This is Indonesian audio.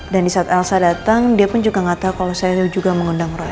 dan di saat elsa datang dia pun juga gak tahu kalau saya juga mengundang roy